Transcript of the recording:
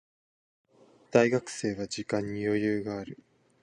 大学生は時間に余裕がある。